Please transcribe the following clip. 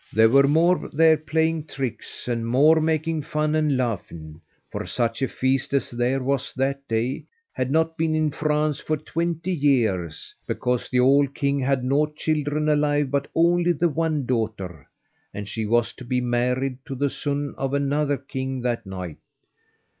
There were more there playing tricks, and more making fun and laughing, for such a feast as there was that day had not been in France for twenty years, because the old king had no children alive but only the one daughter, and she was to be married to the son of another king that night.